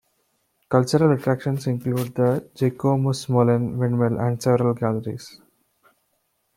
Cultural attractions include the Jacobusmolen windmill and several galleries.